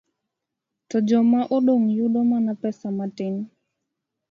to joma odong ' yudo mana pesa matin.